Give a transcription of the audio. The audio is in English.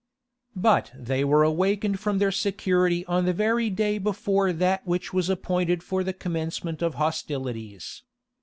But they were awakened from their security on the very day before that which was appointed for the commencement of hostilities.